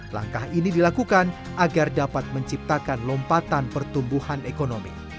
langkah ini dilakukan agar dapat menciptakan lompatan pertumbuhan ekonomi